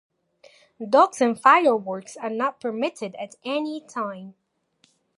Dogs and fireworks are not permitted at any time.